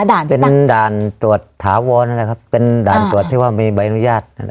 เป็นด่านตรวจถาวรนะครับเป็นด่านตรวจที่ว่ามีใบอนุญาต